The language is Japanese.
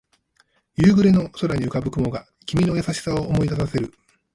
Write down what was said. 夕暮れの空に浮かぶ雲が君の優しさを思い出させる